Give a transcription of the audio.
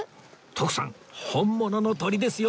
徳さん本物の鳥ですよ